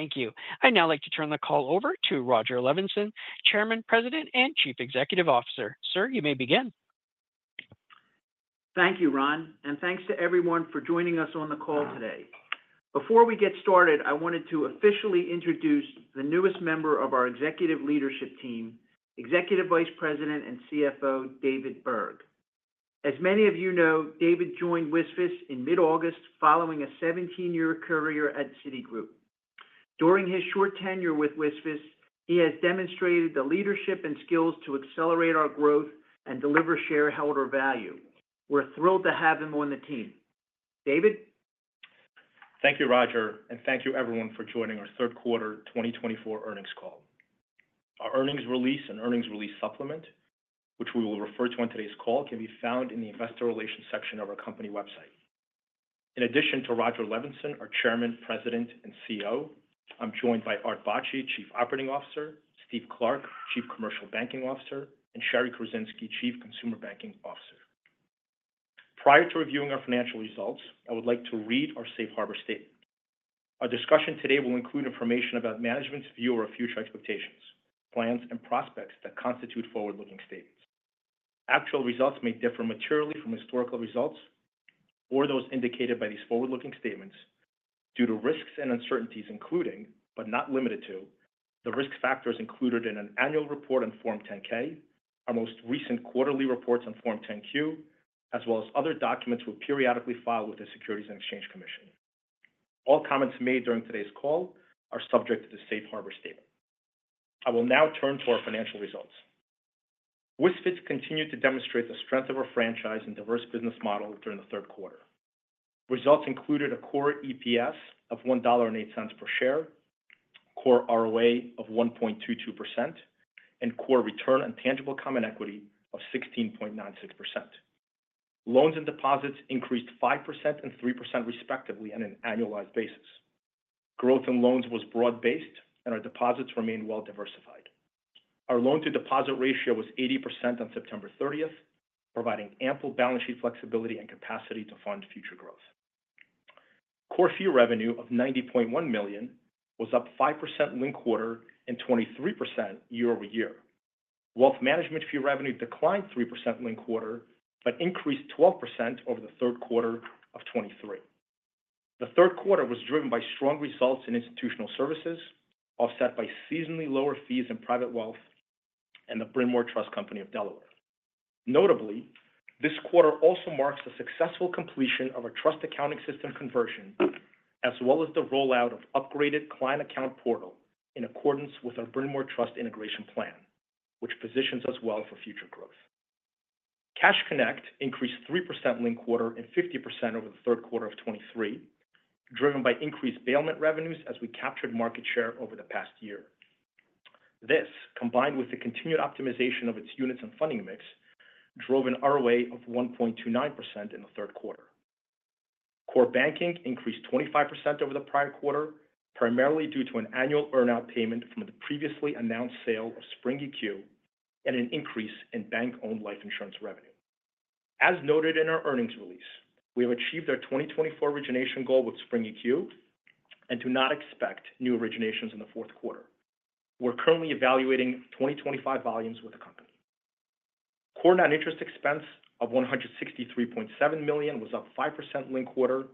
Thank you. I'd now like to turn the call over to Rodger Levenson, Chairman, President, and Chief Executive Officer. Sir, you may begin. Thank you, Ron, and thanks to everyone for joining us on the call today. Before we get started, I wanted to officially introduce the newest member of our executive leadership team, Executive Vice President and CFO, David Burg. As many of you know, David joined WSFS Financial Corporation in mid-August following a 17-year career at Citigroup. During his short tenure with WSFS Financial Corporation, he has demonstrated the leadership and skills to accelerate our growth and deliver shareholder value. We're thrilled to have him on the team. David? Thank you, Rodger, and thank you everyone for joining our Q3 twenty twenty-four earnings call. Our earnings release and earnings release supplement, which we will refer to on today's call, can be found in the investor relations section of our company website. In addition to Rodger Levenson, our Chairman, President, and CEO, I'm joined by Art Bacci, Chief Operating Officer, Steve Clark, Chief Commercial Banking Officer, and Shari Kruzinski, Chief Consumer Banking Officer. Prior to reviewing our financial results, I would like to read our safe harbor statement. Our discussion today will include information about management's view or future expectations, plans, and prospects that constitute forward-looking statements. Actual results may differ materially from historical results or those indicated by these forward-looking statements due to risks and uncertainties, including, but not limited to, the risk factors included in an annual report on Form 10-K, our most recent quarterly reports on Form 10-Q, as well as other documents we periodically file with the Securities and Exchange Commission. All comments made during today's call are subject to the safe harbor statement. I will now turn to our financial results. WSFS continued to demonstrate the strength of our franchise and diverse business model during the Q3. Results included a core EPS of $1.08 per share, core ROA of 1.22%, and core return on tangible common equity of 16.96%. Loans and deposits increased 5% and 3%, respectively, on an annualized basis. Growth in loans was broad-based, and our deposits remained well diversified. Our loan-to-deposit ratio was 80% on September thirtieth, providing ample balance sheet flexibility and capacity to fund future growth. Core fee revenue of $90.1 million was up 5% linked quarter and 23% year-over-year. Wealth management fee revenue declined 3% linked quarter, but increased 12% over the Q3 of 2023. The Q3 was driven by strong results in institutional services, offset by seasonally lower fees in private wealth and the Bryn Mawr Trust Company of Delaware. Notably, this quarter also marks the successful completion of a trust accounting system conversion, as well as the rollout of upgraded client account portal in accordance with our Bryn Mawr Trust integration plan, which positions us well for future growth. Cash Connect increased 3% linked quarter and 50% over the Q3 of 2023, driven by increased bailment revenues as we captured market share over the past year. This, combined with the continued optimization of its units and funding mix, drove an ROA of 1.29% in the Q3. Core banking increased 25% over the prior quarter, primarily due to an annual earn-out payment from the previously announced sale of Spring EQ and an increase in bank-owned life insurance revenue. As noted in our earnings release, we have achieved our 2024 origination goal with Spring EQ and do not expect new originations in the Q4. We're currently evaluating 2025 volumes with the company. Core non-interest expense of $163.7 million was up 5% linked quarter,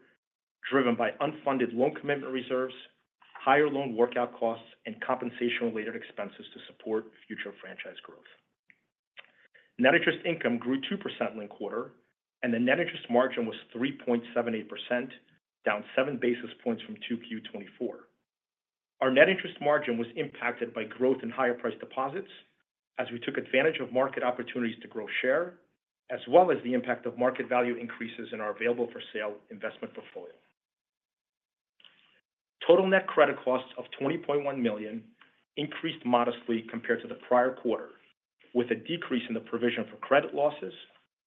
driven by unfunded loan commitment reserves, higher loan workout costs, and compensation-related expenses to support future franchise growth. Net interest income grew 2% linked quarter, and the net interest margin was 3.78%, down seven basis points from 2Q24. Our net interest margin was impacted by growth in higher-priced deposits as we took advantage of market opportunities to grow share, as well as the impact of market value increases in our available-for-sale investment portfolio. Total net credit costs of $20.1 million increased modestly compared to the prior quarter, with a decrease in the provision for credit losses,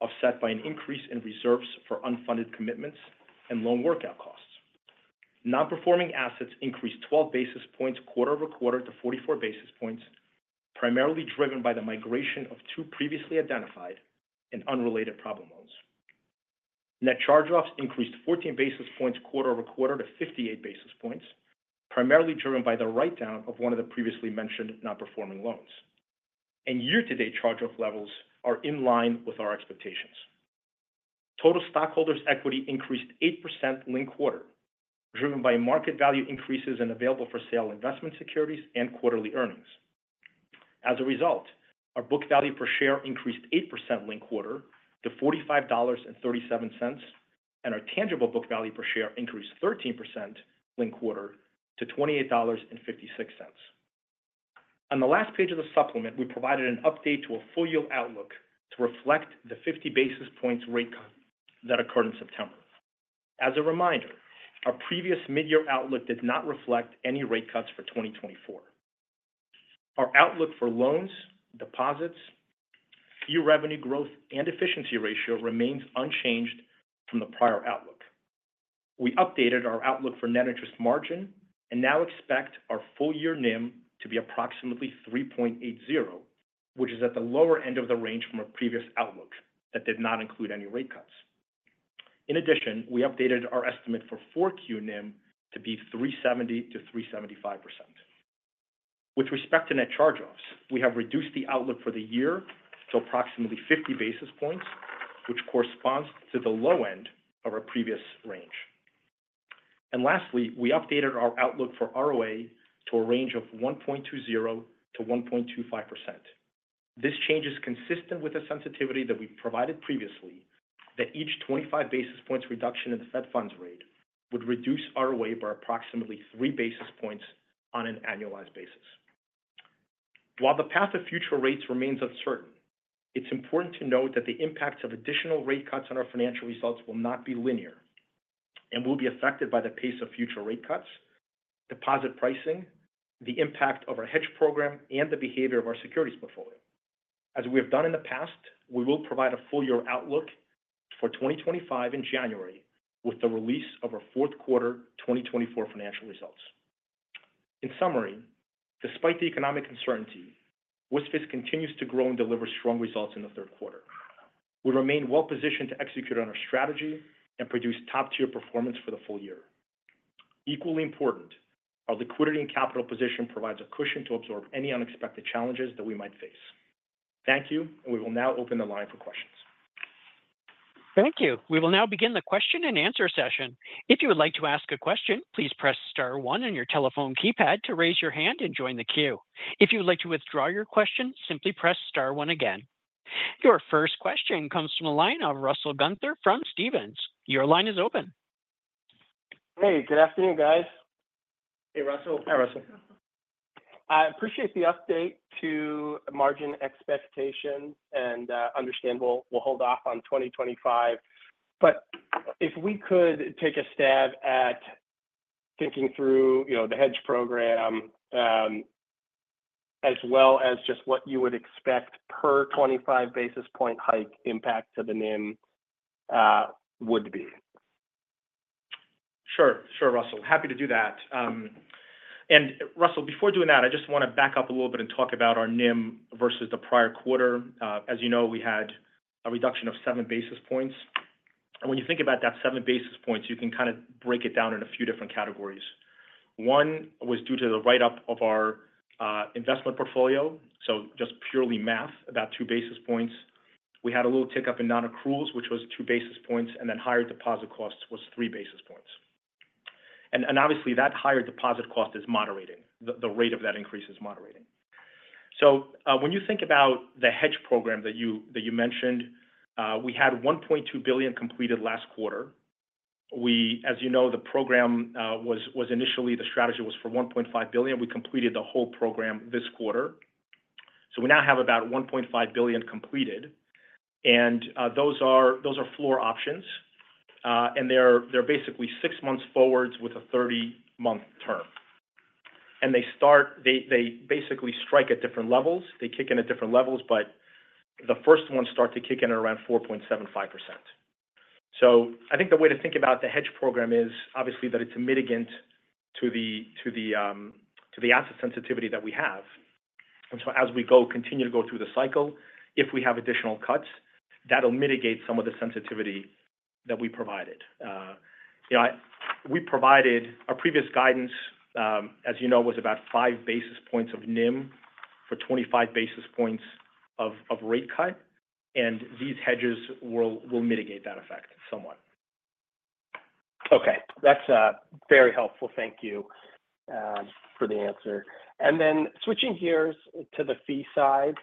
offset by an increase in reserves for unfunded commitments and loan workout costs. Non-performing assets increased 12 basis points quarter-over-quarter to 44 basis points, primarily driven by the migration of two previously identified and unrelated problem loans. Net charge-offs increased 14 basis points quarter-over-quarter to 58 basis points, primarily driven by the write-down of one of the previously mentioned non-performing loans. And year-to-date charge-off levels are in line with our expectations. Total stockholders' equity increased 8% linked quarter, driven by market value increases in available-for-sale investment securities and quarterly earnings. As a result, our book value per share increased 8% linked quarter to $45.37, and our tangible book value per share increased 13% linked quarter to $28.56. On the last page of the supplement, we provided an update to a full-year outlook to reflect the 50 basis points rate cut that occurred in September. As a reminder, our previous mid-year outlook did not reflect any rate cuts for 2024. Our outlook for loans, deposits, fee revenue growth, and efficiency ratio remains unchanged from the prior outlook. We updated our outlook for net interest margin and now expect our full-year NIM to be approximately 3.80%, which is at the lower end of the range from our previous outlook that did not include any rate cuts. In addition, we updated our estimate for 4Q NIM to be 3.70-3.75%. With respect to net charge-offs, we have reduced the outlook for the year to approximately 50 basis points, which corresponds to the low end of our previous range. And lastly, we updated our outlook for ROA to a range of 1.20-1.25%. This change is consistent with the sensitivity that we provided previously, that each twenty-five basis points reduction in the Fed funds rate would reduce ROA by approximately three basis points on an annualized basis. While the path of future rates remains uncertain, it's important to note that the impacts of additional rate cuts on our financial results will not be linear and will be affected by the pace of future rate cuts, deposit pricing, the impact of our hedge program, and the behavior of our securities portfolio. As we have done in the past, we will provide a full year outlook for twenty twenty-five in January with the release of our Q4 twenty twenty-four financial results. In summary, despite the economic uncertainty, WSFS continues to grow and deliver strong results in the Q3. We remain well positioned to execute on our strategy and produce top-tier performance for the full year. Equally important, our liquidity and capital position provides a cushion to absorb any unexpected challenges that we might face. Thank you, and we will now open the line for questions. Thank you. We will now begin the question and answer session. If you would like to ask a question, please press star one on your telephone keypad to raise your hand and join the queue. If you would like to withdraw your question, simply press star one again. Your first question comes from the line of Russell Gunther from Stephens. Your line is open. Hey, good afternoon, guys. Hey, Russell. Hi, Russell. I appreciate the update to margin expectations, and understandable we'll hold off on 2025. But if we could take a stab at thinking through, you know, the hedge program, as well as just what you would expect per 25 basis points hike impact to the NIM, would be? Sure. Sure, Russell. Happy to do that. And Russell, before doing that, I just want to back up a little bit and talk about our NIM versus the prior quarter. As you know, we had a reduction of seven basis points, and when you think about that seven basis points, you can kind of break it down in a few different categories. One was due to the write-up of our investment portfolio, so just purely math, about two basis points. We had a little tick-up in non-accruals, which was two basis points, and then higher deposit costs was three basis points. And obviously, that higher deposit cost is moderating. The rate of that increase is moderating. So, when you think about the hedge program that you mentioned, we had $1.2 billion completed last quarter. As you know, the program was initially the strategy was for $1.5 billion. We completed the whole program this quarter. We now have about $1.5 billion completed, and those are floor options, and they're basically six months forwards with a 30-month term. They basically strike at different levels. They kick in at different levels, but the first ones start to kick in around 4.75%. I think the way to think about the hedge program is obviously that it's a mitigant to the asset sensitivity that we have, and so as we continue to go through the cycle, if we have additional cuts, that'll mitigate some of the sensitivity that we provided. You know, we provided our previous guidance, as you know, was about five basis points of NIM for twenty-five basis points of rate cut, and these hedges will mitigate that effect somewhat. Okay. That's very helpful. Thank you for the answer. And then switching gears to the fee side,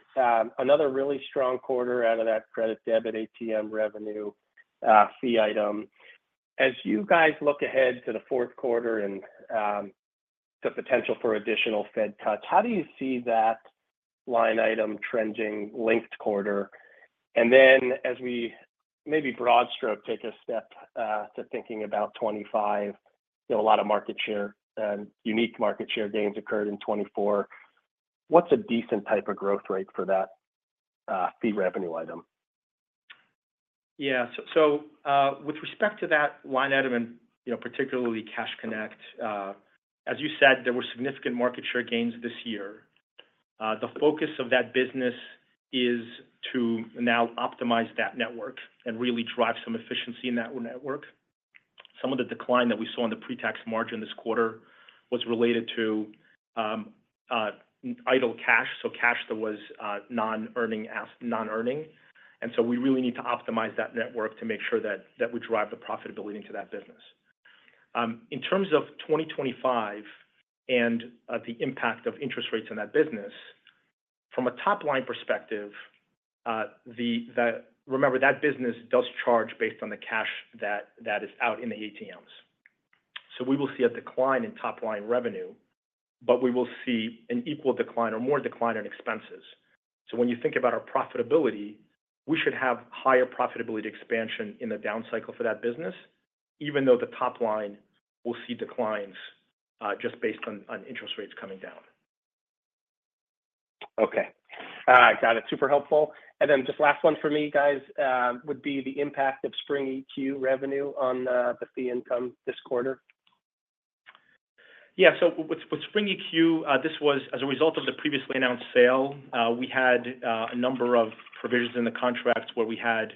another really strong quarter out of that credit debit ATM revenue fee item. As you guys look ahead to the Q4 and the potential for additional Fed cuts, how do you see that line item trending linked quarter? And then as we maybe broad stroke, take a step to thinking about 2025, you know, a lot of market share and unique market share gains occurred in 2024. What's a decent type of growth rate for that fee revenue item? Yeah. So, with respect to that line item and, you know, particularly Cash Connect, as you said, there were significant market share gains this year. The focus of that business is to now optimize that network and really drive some efficiency in that network. Some of the decline that we saw in the pre-tax margin this quarter was related to idle cash, so cash that was non-earning. And so we really need to optimize that network to make sure that we drive the profitability into that business. In terms of twenty twenty-five and the impact of interest rates on that business, from a top-line perspective, remember, that business does charge based on the cash that is out in the ATMs. So we will see a decline in top-line revenue, but we will see an equal decline or more decline in expenses. So when you think about our profitability, we should have higher profitability expansion in the down cycle for that business, even though the top line will see declines, just based on interest rates coming down. Okay. Got it. Super helpful. And then just last one for me, guys, would be the impact of Spring EQ revenue on the fee income this quarter? ... Yeah, so with Spring EQ, this was as a result of the previously announced sale. We had a number of provisions in the contract where we had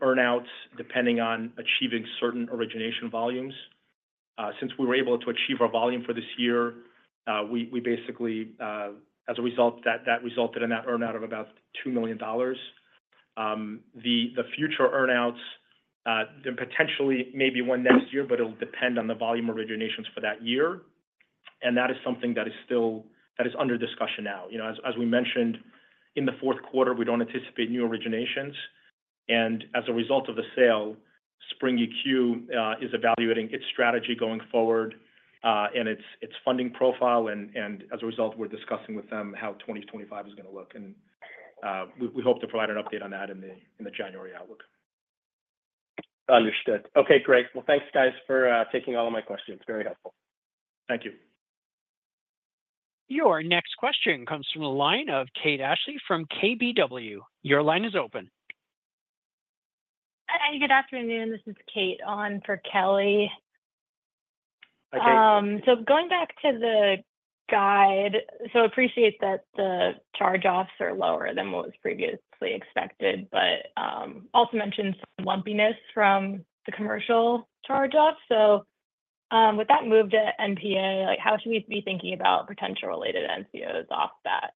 earn-outs depending on achieving certain origination volumes. Since we were able to achieve our volume for this year, we basically, as a result, that resulted in that earn-out of about $2 million. The future earn-outs then potentially maybe one next year, but it'll depend on the volume of originations for that year, and that is something that is under discussion now. You know, as we mentioned in the Q4, we don't anticipate new originations, and as a result of the sale, Spring EQ is evaluating its strategy going forward, and its funding profile. As a result, we're discussing with them how 2025 is going to look. We hope to provide an update on that in the January outlook. Understood. Okay, great. Well, thanks, guys, for taking all of my questions. Very helpful. Thank you. Your next question comes from the line of Kate Ashley from KBW. Your line is open. Hi, good afternoon. This is Kate, on for Kelly. Hi, Kate. So going back to the guide, so appreciate that the charge-offs are lower than what was previously expected, but also mentioned some lumpiness from the commercial charge-offs. So, with that move to NPA, like, how should we be thinking about potential related NCOs off that?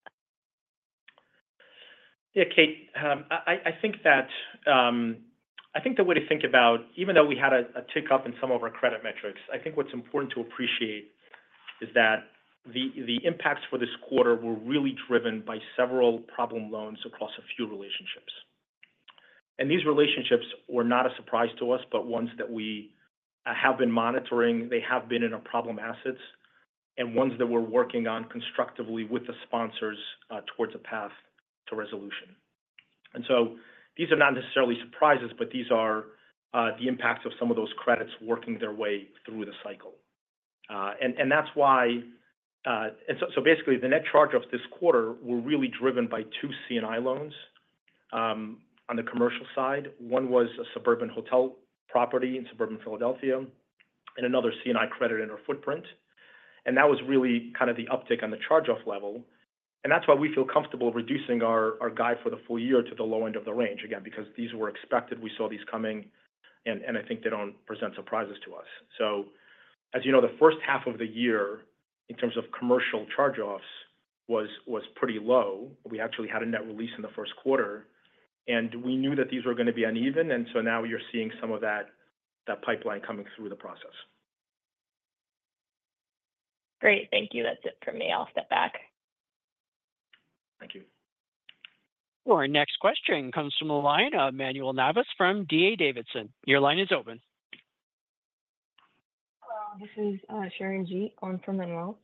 Yeah, Kate, I think that... I think the way to think about- even though we had a tick-up in some of our credit metrics, I think what's important to appreciate is that the impacts for this quarter were really driven by several problem loans across a few relationships. And these relationships were not a surprise to us, but ones that we have been monitoring. They have been in our problem assets, and ones that we're working on constructively with the sponsors towards a path to resolution. And so these are not necessarily surprises, but these are the impacts of some of those credits working their way through the cycle. And that's why- and so basically, the net charge-offs this quarter were really driven by two C&I loans. On the commercial side, one was a suburban hotel property in suburban Philadelphia and another C&I credit in our footprint, and that was really kind of the uptick on the charge-off level, and that's why we feel comfortable reducing our guide for the full year to the low end of the range. Again, because these were expected, we saw these coming, and I think they don't present surprises to us. So as you know, the first half of the year, in terms of commercial charge-offs, was pretty low. We actually had a net release in the Q1, and we knew that these were going to be uneven, and so now you're seeing some of that pipeline coming through the process. Great. Thank you. That's it for me. I'll step back. Thank you. Our next question comes from the line of Manuel Navas from D.A. Davidson. Your line is open. Hello, this is Sharon Ji on for Manuel.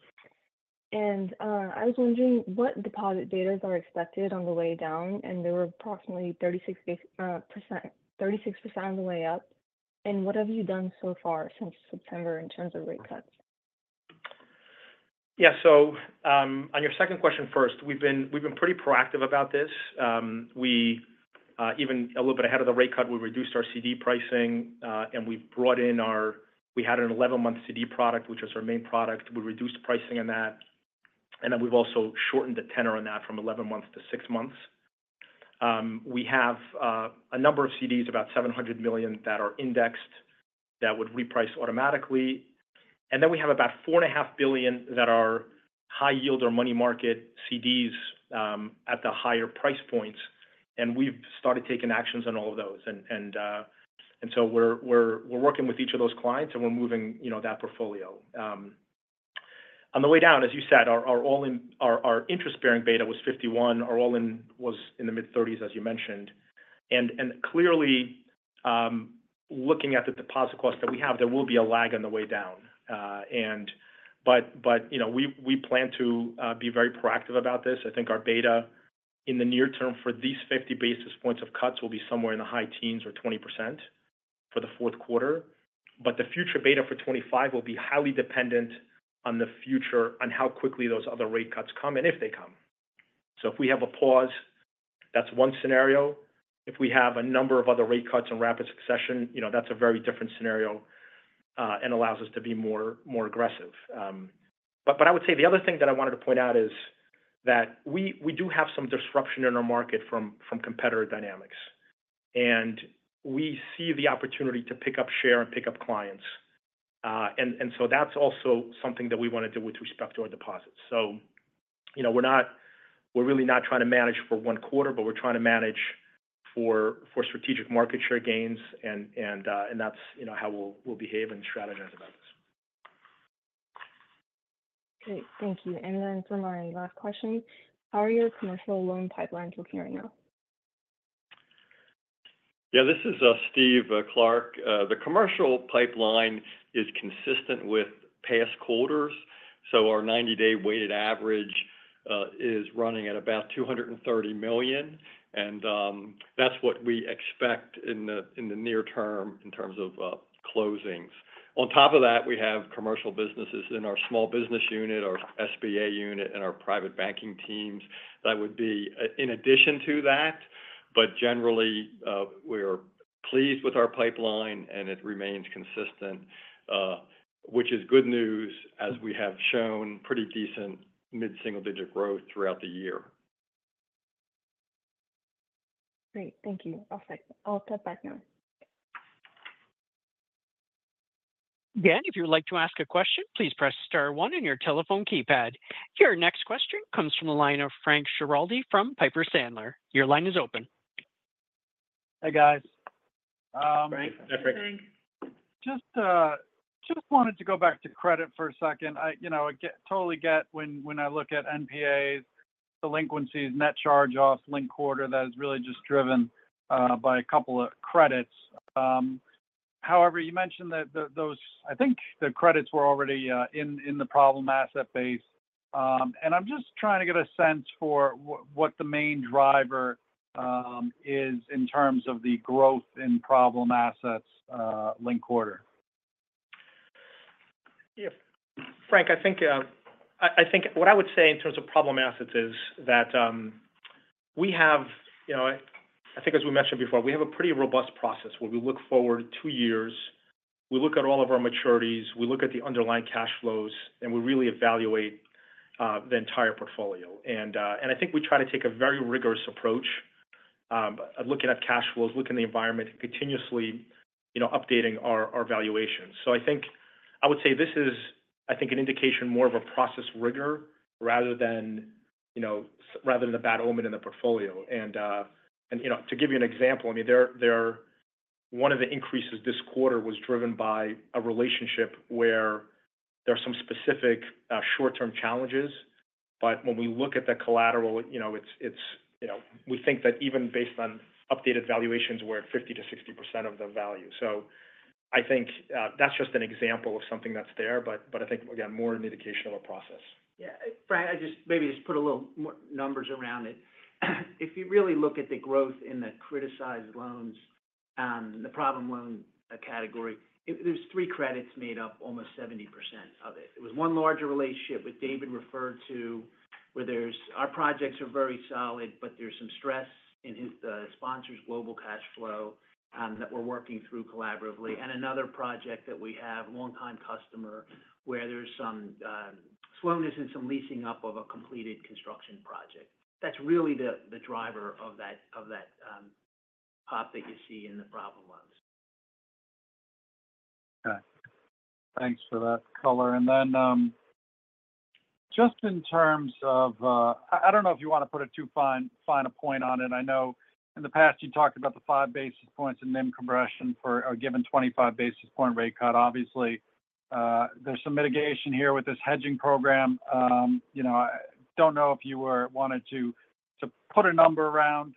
And I was wondering what deposit data are expected on the way down, and they were approximately 36% on the way up. And what have you done so far since September in terms of rate cuts? Yeah. So, on your second question first, we've been pretty proactive about this. We even a little bit ahead of the rate cut, we reduced our CD pricing, and we had an eleven-month CD product, which was our main product. We reduced pricing on that, and then we've also shortened the tenor on that from eleven months to six months. We have a number of CDs, about $700 million, that are indexed, that would reprice automatically. And then we have about $4.5 billion that are high yield or money market CDs at the higher price points, and we've started taking actions on all of those. And so we're working with each of those clients, and we're moving, you know, that portfolio. On the way down, as you said, our all-in interest-bearing beta was 51. Our all-in was in the mid-30s, as you mentioned. And clearly, looking at the deposit costs that we have, there will be a lag on the way down. But, you know, we plan to be very proactive about this. I think our beta in the near term for these 50 basis points of cuts will be somewhere in the high teens or 20% for the Q4. But the future beta for 25 will be highly dependent on the future, on how quickly those other rate cuts come, and if they come. So if we have a pause, that's one scenario. If we have a number of other rate cuts in rapid succession, you know, that's a very different scenario, and allows us to be more aggressive, but I would say the other thing that I wanted to point out is that we do have some disruption in our market from competitor dynamics, and we see the opportunity to pick up share and pick up clients, and so that's also something that we want to do with respect to our deposits, so you know, we're really not trying to manage for one quarter, but we're trying to manage for strategic market share gains, and that's, you know, how we'll behave and strategize about this. Great. Thank you. And then for my last question, how are your commercial loan pipelines looking right now? Yeah, this is Steve Clark. The commercial pipeline is consistent with past quarters, so our 90-day weighted average is running at about $230 million, and that's what we expect in the near term in terms of closings. On top of that, we have commercial businesses in our small business unit, our SBA unit, and our private banking teams. That would be in addition to that, but generally, we're-... pleased with our pipeline, and it remains consistent, which is good news as we have shown pretty decent mid-single-digit growth throughout the year. Great. Thank you. I'll step back now. Again, if you would like to ask a question, please press star one on your telephone keypad. Your next question comes from the line of Frank Schiraldi from Piper Sandler. Your line is open. Hey, guys. Frank. Just wanted to go back to credit for a second. You know, I totally get when I look at NPAs, delinquencies, net charge-offs, linked quarter, that is really just driven by a couple of credits. However, you mentioned that those, I think, the credits were already in the problem asset base, and I'm just trying to get a sense for what the main driver is in terms of the growth in problem assets, linked quarter. Yeah. Frank, I think, I think what I would say in terms of problem assets is that, we have, you know, I think as we mentioned before, we have a pretty robust process where we look forward two years, we look at all of our maturities, we look at the underlying cash flows, and we really evaluate the entire portfolio. And, and I think we try to take a very rigorous approach of looking at cash flows, looking at the environment, and continuously, you know, updating our valuations. So I think I would say this is, I think, an indication more of a process rigor rather than, you know, rather than a bad omen in the portfolio. And you know, to give you an example, I mean, there one of the increases this quarter was driven by a relationship where there are some specific short-term challenges, but when we look at the collateral, you know, it's you know, we think that even based on updated valuations, we're at 50%-60% of the value. So I think that's just an example of something that's there, but I think, again, more an indication of a process. Yeah. Frank, I just maybe just put a little more numbers around it. If you really look at the growth in the criticized loans, the problem loan category, it. There's three credits made up almost 70% of it. It was one larger relationship, which David referred to, where there's our projects are very solid, but there's some stress in his sponsor's global cash flow that we're working through collaboratively. And another project that we have, long-time customer, where there's some slowness in some leasing up of a completed construction project. That's really the driver of that pop that you see in the problem loans. Okay. Thanks for that color. And then, just in terms of, I don't know if you want to put too fine a point on it. I know in the past you talked about the five basis points and NIM compression for a given twenty-five basis point rate cut. Obviously, there's some mitigation here with this hedging program. You know, I don't know if you wanted to put a number around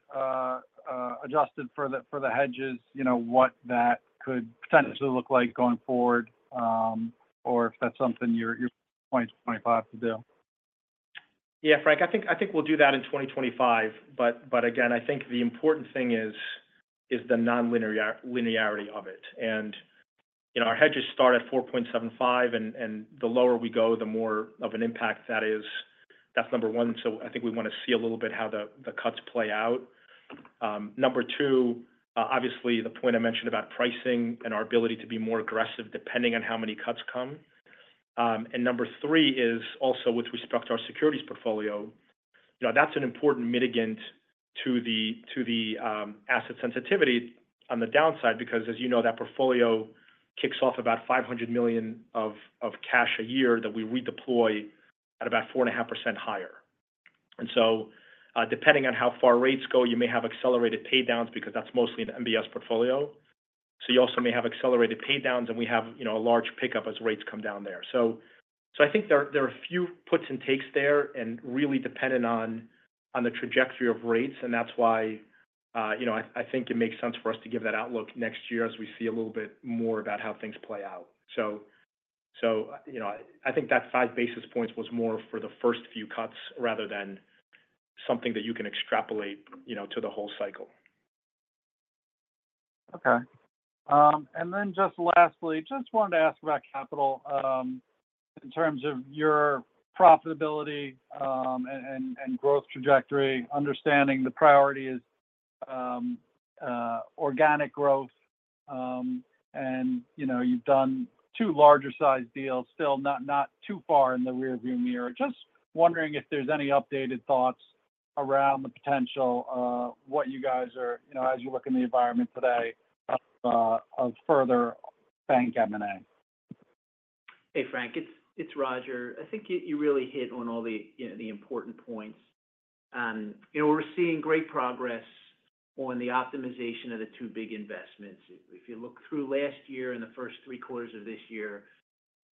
adjusted for the hedges, you know, what that could potentially look like going forward, or if that's something you're going to 2025 to do. Yeah, Frank, I think we'll do that in 2025. But again, I think the important thing is the non-linearity of it. And, you know, our hedges start at 4.75, and the lower we go, the more of an impact that is. That's number one. So I think we want to see a little bit how the cuts play out. Number two, obviously, the point I mentioned about pricing and our ability to be more aggressive depending on how many cuts come. And number three is also with respect to our securities portfolio. You know, that's an important mitigant to the asset sensitivity on the downside, because as you know, that portfolio kicks off about $500 million of cash a year that we redeploy at about 4.5% higher. And so, depending on how far rates go, you may have accelerated paydowns because that's mostly an MBS portfolio. So you also may have accelerated paydowns, and we have, you know, a large pickup as rates come down there. So, you know, I think there are a few puts and takes there and really dependent on the trajectory of rates, and that's why, you know, I think it makes sense for us to give that outlook next year as we see a little bit more about how things play out. So, you know, I think that five basis points was more for the first few cuts rather than something that you can extrapolate, you know, to the whole cycle. Okay. And then just lastly, just wanted to ask about capital, in terms of your profitability, and growth trajectory, understanding the priority is organic growth, and, you know, you've done two larger size deals, still not too far in the rearview mirror. Just wondering if there's any updated thoughts around the potential of what you guys are, you know, as you look in the environment today, of further bank M&A? Hey, Frank, it's Rodger. I think you really hit on all the, you know, the important points. You know, we're seeing great progress on the optimization of the two big investments. If you look through last year and the first three quarters of this year,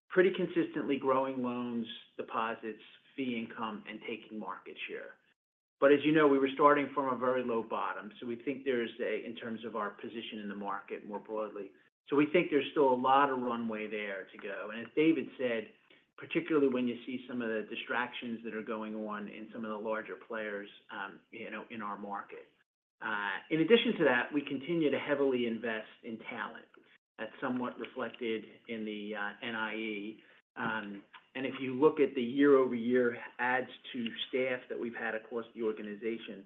pretty consistently growing loans, deposits, fee income, and taking market share. But as you know, we were starting from a very low bottom, so we think there's a in terms of our position in the market more broadly. So we think there's still a lot of runway there to go. And as David said, particularly when you see some of the distractions that are going on in some of the larger players, you know, in our market. In addition to that, we continue to heavily invest in talent. That's somewhat reflected in the NIE. And if you look at the year-over-year adds to staff that we've had across the organization,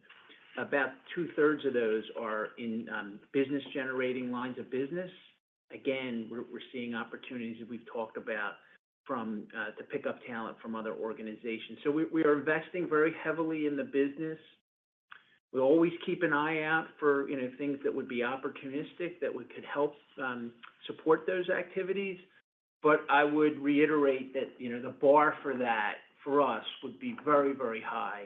about two-thirds of those are in business-generating lines of business. Again, we're seeing opportunities that we've talked about to pick up talent from other organizations. So we are investing very heavily in the business. We always keep an eye out for, you know, things that would be opportunistic, that we could help support those activities. But I would reiterate that, you know, the bar for that, for us, would be very, very high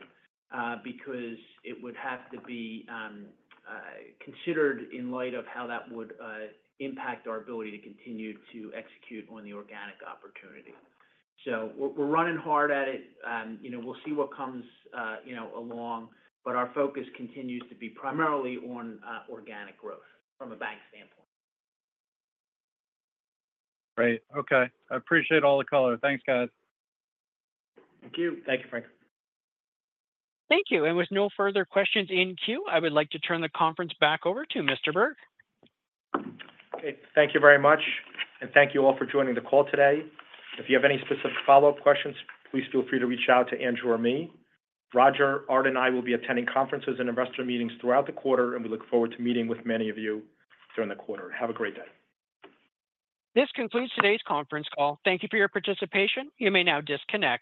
because it would have to be considered in light of how that would impact our ability to continue to execute on the organic opportunity. So we're running hard at it. You know, we'll see what comes, you know, along, but our focus continues to be primarily on organic growth from a bank standpoint. Great. Okay. I appreciate all the color. Thanks, guys. Thank you. Thank you, Frank. Thank you. And with no further questions in queue, I would like to turn the conference back over to Mr. Burg. Okay. Thank you very much, and thank you all for joining the call today. If you have any specific follow-up questions, please feel free to reach out to Andrew or me. Rodger, Art, and I will be attending conferences and investor meetings throughout the quarter, and we look forward to meeting with many of you during the quarter. Have a great day. This concludes today's conference call. Thank you for your participation. You may now disconnect.